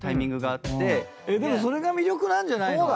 それが魅力なんじゃないの？